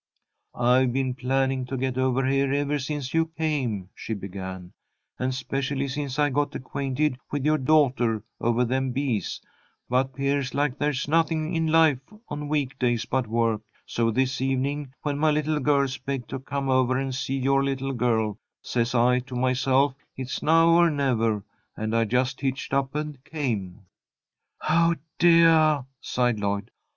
"I've been planning to get over here ever since you came," she began, "and specially since I got acquainted with your daughter over them bees, but 'pears like there's nothing in life on week days but work; so this evening, when my little girls begged to come over and see your little girl, says I to myself, it's now or never, and I just hitched up and came." "Oh, deah!" sighed Lloyd.